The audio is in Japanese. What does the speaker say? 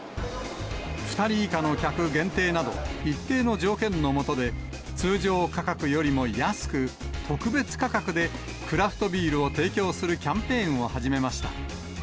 ２人以下の客限定など、一定の条件の下で、通常価格よりも安く、特別価格でクラフトビールを提供するキャンペーンを始めました。